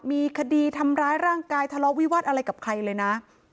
มีคดีทำร้ายร่างกายทะเลาะวิวาสอะไรกับใครเลยนะ